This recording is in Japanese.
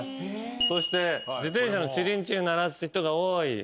そして自転車のチリンチリン鳴らす人が多い。